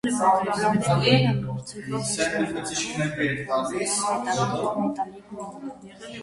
Պրոնզագոյնը մրցոյթներուն շնորհուող պրոնզեայ մետալի գոյնն է։